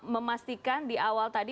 memastikan di awal tadi